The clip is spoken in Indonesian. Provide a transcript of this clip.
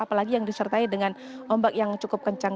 apalagi yang disertai dengan ombak yang cukup kencang